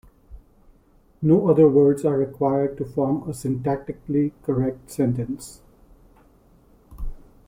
No other words are required to form a syntactically correct sentence.